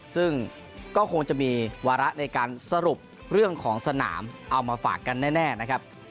ซึ่งก็คงจะมีวาระในการสรุปเรื่องของสนามเอามาฝากกันแน่นะครับ